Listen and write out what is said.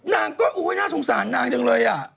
นางก็น่าสงสารนางจังเลยอ่ะ